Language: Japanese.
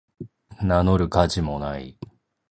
名乗る価値もない